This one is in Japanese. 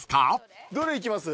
どれ行きます？